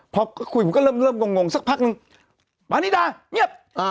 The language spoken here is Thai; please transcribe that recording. ปานิดาเงียบ